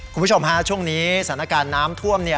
คุณผู้ชมฮะช่วงนี้สถานการณ์น้ำท่วม